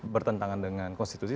bertentangan dengan konstitusi